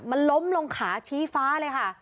มันล้มลงขาชี้ฟ้าเลยค่ะ